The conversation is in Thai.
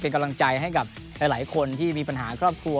เป็นกำลังใจให้กับหลายคนที่มีปัญหาครอบครัว